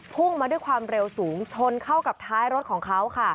พุ่งมาด้วยความเร็วสูงชนเข้ากับท้ายรถของเขาค่ะ